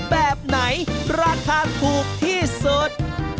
แบบไหนราคาถูกที่สุด